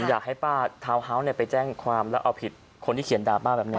อยากให้ป้าทาวน์ฮาส์ไปแจ้งความแล้วเอาผิดคนที่เขียนด่าป้าแบบนี้